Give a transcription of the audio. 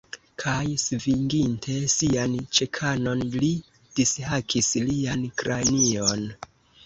Kaj, svinginte sian ĉekanon, li dishakis lian kranion.